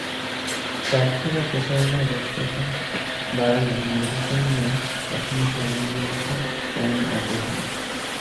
প্রার্থীরা প্রচারণায় ব্যস্ততা বাড়ালেও নির্বাচন নিয়ে এখনো সাধারণ মানুষের তেমন আগ্রহ নেই।